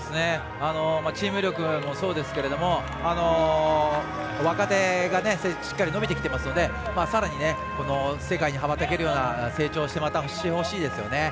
チーム力もそうですけども若手がしっかり伸びてきてますのでさらに、世界に羽ばたけるような成長をしてほしいですよね。